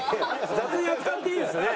雑に扱っていいんですよね？